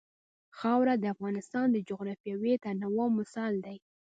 خاوره د افغانستان د جغرافیوي تنوع مثال دی.